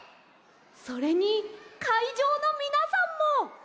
それにかいじょうのみなさんも！